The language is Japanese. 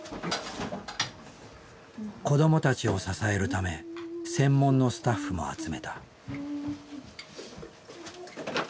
子どもたちを支えるため専門のスタッフも集めた。